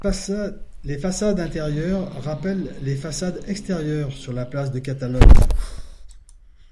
Les façades intérieures rappellent les façades extérieures sur la place de Catalogne.